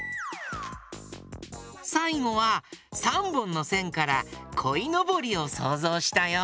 さいごは３ぼんのせんからこいのぼりをそうぞうしたよ。